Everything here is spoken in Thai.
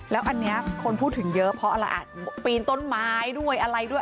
แล้วอันนี้คนพูดถึงเยอะเพราะต้องปีนต้นไม้อะไรด้วย